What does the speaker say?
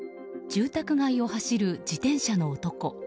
住宅街を走る自転車の男。